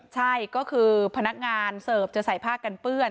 ใช่ก็คือพนักงานเสิร์ฟจะใส่ผ้ากันเปื้อน